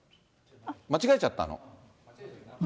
間違えちゃったの？